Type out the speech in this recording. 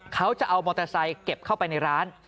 เขาจะเอามอเตอร์ไซค์เก็บเข้าไปในร้าน